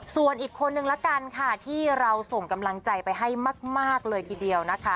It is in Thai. ส่วนอีกคนนึงละกันค่ะที่เราส่งกำลังใจไปให้มากเลยทีเดียวนะคะ